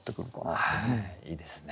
いいですね。